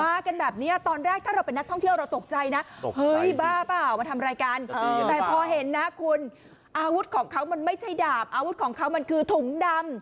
กันแบบนี้ตอนแรกถ้าเราเป็นนักท่องเที่ยวเราตกใจนะเฮ้ยบ้าเปล่ามาทำอะไรกันแต่พอเห็นนะคุณอาวุธของเขามันไม่ใช่ดาบอาวุธของเขามันคือถุงดำ